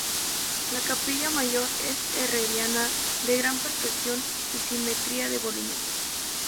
La capilla mayor es herreriana, de gran perfección y simetría de volumen.